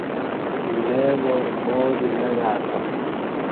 لے وار آو دی نہ گاتہ